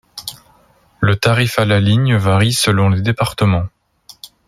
Le tarif à la ligne varie selon les départements.